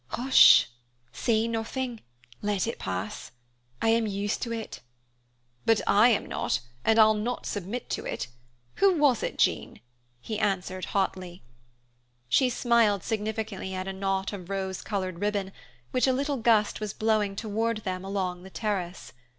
"Hush, say nothing, let it pass. I am used to it." "But I am not, and I'll not submit to it. Who was it, Jean?" he answered hotly. She smiled significantly at a knot of rose colored ribbon, which a little gust was blowing toward them along the terrace.